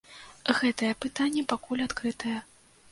Гэтае пытанне пакуль адкрытае.